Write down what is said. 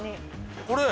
これ？